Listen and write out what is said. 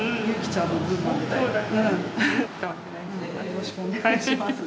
よろしくお願いします。